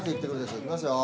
いきますよ！